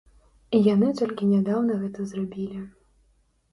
І яны толькі нядаўна гэта зрабілі.